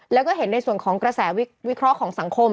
แล้วก็เห็นในส่วนของกระแสวิเคราะห์ของสังคม